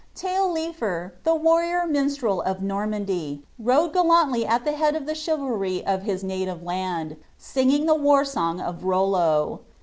Taillefer, the warrior minstrel of Normandy, rode gallantly at the head of the chivalry of his native land, singing the war song of Rollo.